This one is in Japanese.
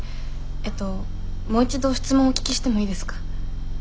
えっともう一度質問お聞きしてもいいですか？